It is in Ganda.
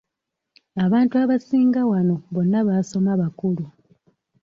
Abantu abasinga wano bonna baasoma bakulu.